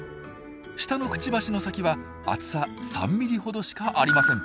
下のクチバシの先は厚さ３ｍｍほどしかありません。